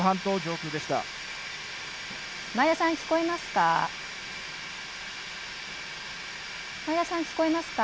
前田さん、聞こえますか？